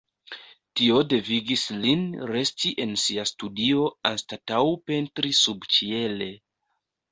Tio devigis lin resti en sia studio anstataŭ pentri subĉiele.